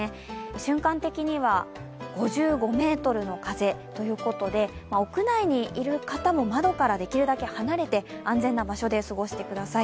瞬間的には５５メートルの風ということで、屋内にいる方も窓からできるだけ離れて安全な場所で過ごしてください。